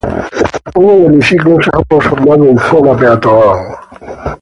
Todo el hemiciclo se ha transformado en zona peatonal.